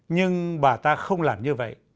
nhưng bà ta không làm như vậy